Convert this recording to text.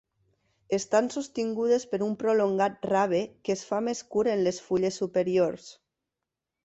Estan sostingudes per un prolongat rave, que es fa més curt en les fulles superiors.